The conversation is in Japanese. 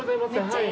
はい。